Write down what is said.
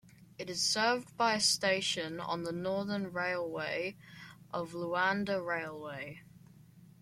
It is served by a station on the northern railway of Luanda Railway.